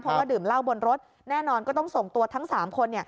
เพราะว่าดื่มเหล้าบนรถแน่นอนก็ต้องส่งตัวทั้ง๓คน